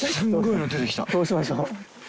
どうしましょう。